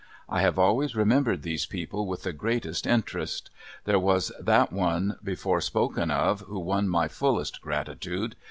I have always remembered these people with the greatest interest. There was that one before spoken of who won my fullest gratitude.